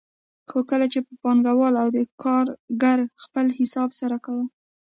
خو کله چې به پانګوال او کارګر خپل حساب سره کاوه